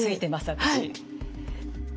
私。